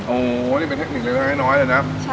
โอ้โหนี่มันเทคนิคเริ่มแล้วอย่างน้อยแน็ตนะใช่